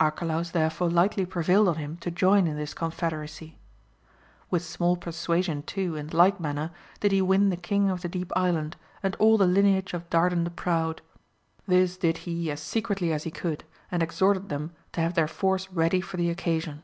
Arcalaus therefore lightly prevailed on him to join in this con federacy. With small persuasion too, in like manner, did he win the King of the Deep Island, and all the AMADIS OF GAUL. 121 lineage of Dardan the Proud : this did he as secretly as he could, and exhorted them to have their force ready for the occasion.